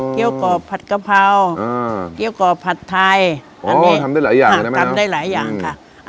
เกี๊ยวกรอบผัดกะเพราเกี๊ยวกรอบผัดไทยอันนี้ทำได้หลายอย่างค่ะ